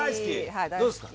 どうですか？